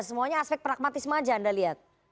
semuanya aspek pragmatisme aja anda lihat